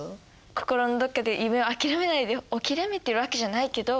心のどこかで夢を諦めないで諦めてるわけじゃないけど。